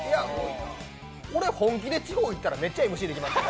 俺、本気で地方行ったらめっちゃＭＣできますよ。